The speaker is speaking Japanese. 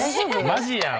マジやん。